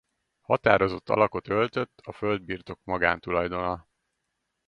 Határozott alakot öltött a földbirtok magántulajdona.